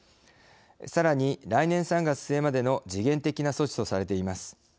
さらに来年３月末までの時限的な措置とされています。